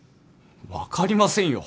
分かりませんよ